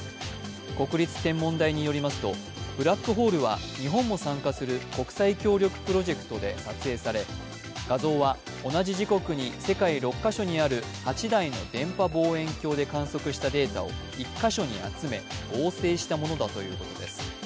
国立天文台によりますとブラックホールは日本も参加する国際協力プロジェクトで撮影され、画像は同じ時刻に世界６カ所にある８台の電波望遠鏡で観測したデータを１カ所に集め、合成したものだということです。